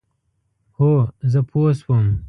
هو، زه پوه شوم،